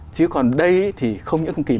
chứ còn đây thì không những không kìm